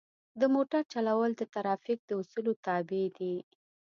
د موټر چلول د ترافیک د اصولو تابع دي.